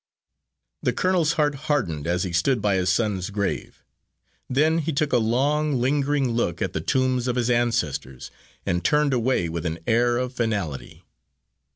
The colonel's heart hardened as he stood by his son's grave. Then he took a long lingering look at the tombs of his ancestors and turned away with an air of finality.